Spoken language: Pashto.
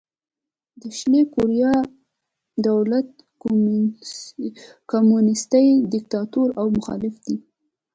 د شلي کوریا دولت کمونیستي دیکتاتوري او مخالف دی.